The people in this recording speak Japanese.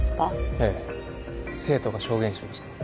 ええ生徒が証言しました。